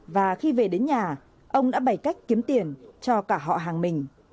và khi về đến nhà ông đã bày cách kiếm tiền cho cả họ hàng mình